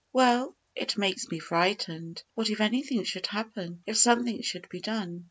'Well, it makes me frightened. What if anything should happen; if something should be done?'"